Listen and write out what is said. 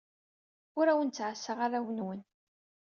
Ur awen-ttɛassaɣ arraw-nwen.